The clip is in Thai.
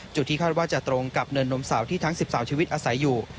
ที่คาดว่าจะตรงกับเนินนมสาวที่ทั้ง๑๓ชีวิตอาศัยอยู่